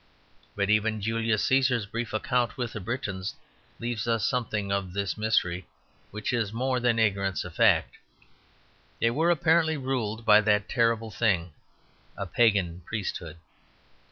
But even Julius Cæsar's brief account of the Britons leaves on us something of this mystery, which is more than ignorance of fact. They were apparently ruled by that terrible thing, a pagan priesthood.